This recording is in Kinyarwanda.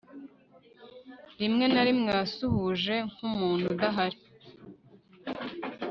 Rimwe na rimwe wasuhuje nkumuntu udahari